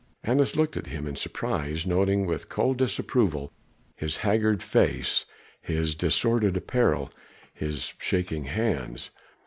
Annas looked at him in surprise, noting with cold disapproval his haggard face, his disordered apparel, his shaking hands.